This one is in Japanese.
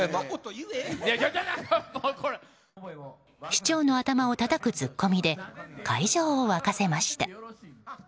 市長の頭をたたくツッコミで会場を沸かせました。